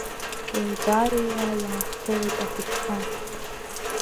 Еибарҩуа иааҳԥылеит ахәыҷқәа.